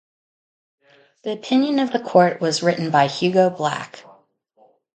The opinion of the Court was written by Hugo Black.